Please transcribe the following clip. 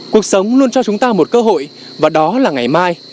cuộc sống luôn cho chúng ta một cơ hội và đó là ngày mai